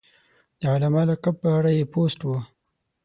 د علامه لقب په اړه یې پوسټ و.